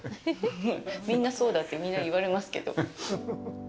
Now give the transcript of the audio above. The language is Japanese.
みんなそうだってみんなに言われますけど。